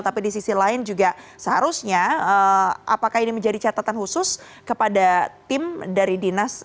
tapi di sisi lain juga seharusnya apakah ini menjadi catatan khusus kepada tim dari dinas